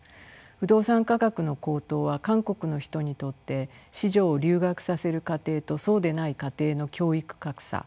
不動産価格の高騰は韓国の人にとって子女を留学させる家庭とそうでない家庭の教育格差。